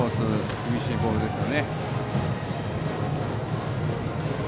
厳しいボールでした。